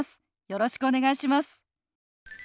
よろしくお願いします。